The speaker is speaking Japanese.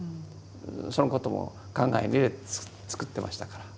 そのことも考えに入れて作ってましたから。